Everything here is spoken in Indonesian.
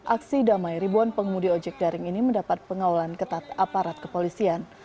aksi damai ribuan pengemudi ojek daring ini mendapat pengawalan ketat aparat kepolisian